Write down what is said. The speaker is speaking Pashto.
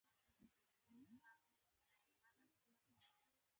د جین مذهب په عدم تشدد ټینګار کاوه.